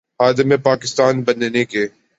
خادم پاکستان بننے کے۔